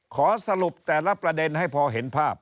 ขอสรุปแต่ละประเด็นให้พอเห็นภาพ